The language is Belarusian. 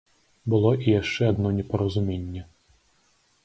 Было і яшчэ адно непаразуменне.